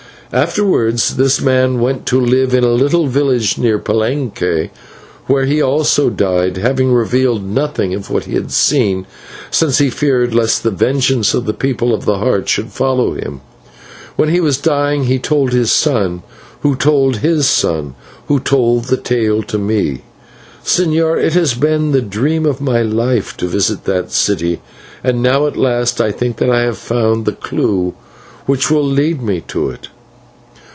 "Afterwards this man went to live in a little village near Palenque, where he also died, having revealed nothing of what he had seen, since he feared lest the vengeance of the People of the Heart should follow him. When he was dying he told his son, who told his son, who told the tale to me. Señor, it has been the dream of my life to visit that city, and now at last I think that I have found the clue which will lead me to it."